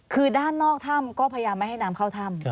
คือด้านนอกถ้ำก็พยายามไม่ให้น้ำเข้าถ้ำ